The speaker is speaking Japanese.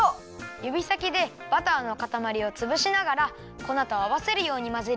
ゆびさきでバターのかたまりをつぶしながらこなとあわせるようにまぜるよ。